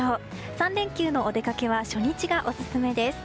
３連休のお出かけは初日がオススメです。